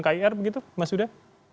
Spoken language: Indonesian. kir mas uda